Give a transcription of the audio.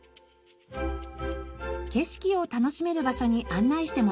景色を楽しめる場所に案内してもらいました。